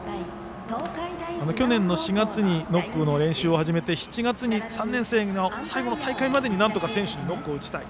去年の４月にノックの練習を始め７月に３年生の最後の大会までになんとか選手にノックを打ちたい。